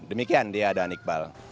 demikian dia dan iqbal